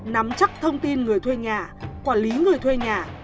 nắm chắc thông tin người thuê nhà quản lý người thuê nhà